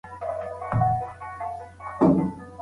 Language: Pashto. ژوره ساه راکاږي